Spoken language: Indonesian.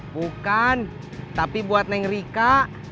bukan tapi buat neng rika